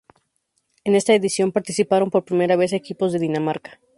En esta edición participaron por primera vez equipos de Dinamarca.